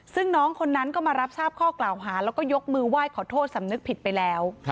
ซึ่งน้องคนนั้นก็มารับทราบข้อกล่าวหาแล้วก็ยกมือไหว้ขอโทษสำนึกผิดไปแล้ว